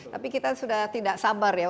tapi kita sudah tidak sabar ya